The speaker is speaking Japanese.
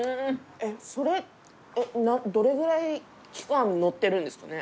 それどれぐらい期間乗ってるんですかね？